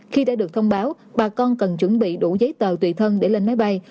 khi đã được thông báo bà con cần chuẩn bị đủ giấy tờ tùy thân để lên máy bay